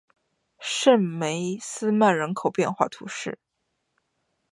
圣梅斯曼人口变化图示